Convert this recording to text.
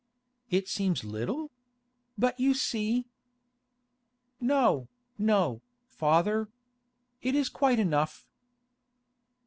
'It seems little? But you see—' 'No, no, father. It is quite enough.